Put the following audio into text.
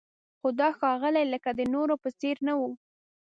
خو دا ښاغلی لکه د نورو په څېر نه و.